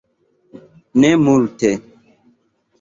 Ne multe.